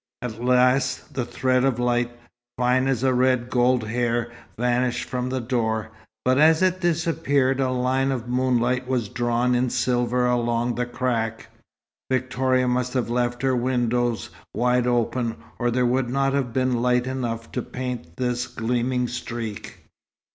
At last the thread of light, fine as a red gold hair, vanished from the door; but as it disappeared a line of moonlight was drawn in silver along the crack. Victoria must have left her windows wide open, or there would not have been light enough to paint this gleaming streak.